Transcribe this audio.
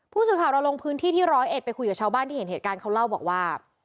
ผู้สื่อข่าวเราลงพื้นที่ที่ร้อยเอ็ดไปคุยกับชาวบ้านที่เห็นเหตุการณ์เขาเล่าบอกว่า